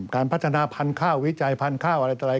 การพัฒนาพันธุ์ข้าววิจัยพันธุ์ข้าวอะไรต่ออะไร